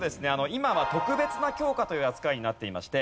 今は特別な教科という扱いになっていまして。